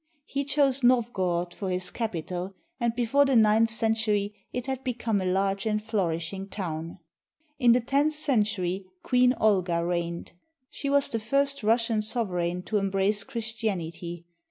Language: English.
He chose Novgorod for his capital, and before the ninth century it had become a large and flourishing town. In the tenth century Queen Olga reigned. She was the first Russian sovereign to embrace Christianity.